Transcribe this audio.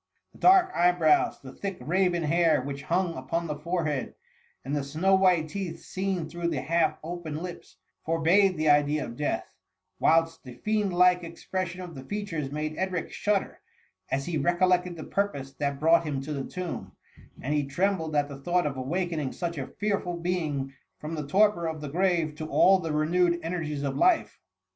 The dark eyebrows, the thick raven hair which hung upon the forehead, and the snow white teeth seen through the half open lips, forbade the idea of death; whilst the fiend like expression of the features made Edric shudder, as he recollected the purpose that brought him to the tomb, and he trembled at the thought of awakening such a fearful being from the torpor of the grave to all the renewed energies of life.